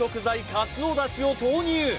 かつおだしを投入